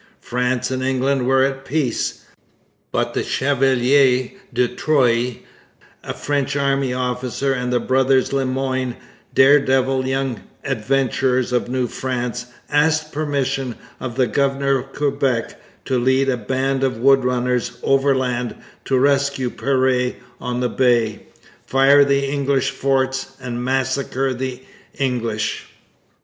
France and England were at peace; but the Chevalier de Troyes, a French army officer, and the brothers Le Moyne, dare devil young adventurers of New France, asked permission of the governor of Quebec to lead a band of wood runners overland to rescue Péré on the Bay, fire the English forts, and massacre the English.